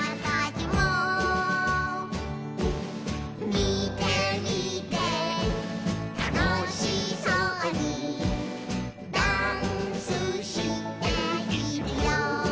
「みてみてたのしそうにダンスしているよ」